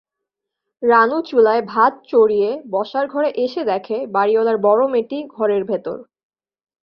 রানু চুলায় ভাত চড়িয়ে বসার ঘরে এসে দেখে বাড়িঅলার বড় মেয়েটি ঘরের ভেতর।